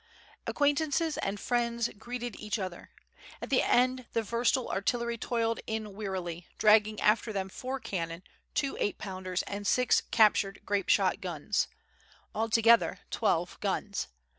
Acquaintances and friends greeted each other. At the end, the Vurtsel artillery toiled in wearily, dragging after them four cannon, two eight pounders and six captured grape shot guns. Altogether, twelve guns.